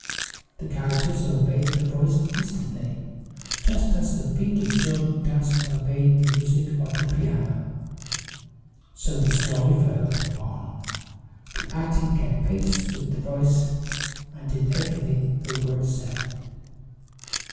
The characters obeyed the voice instantly, just as the feet of children dancing obey the music of the piano. So the story flowed on the acting kept pace with the voice and did everything the words said.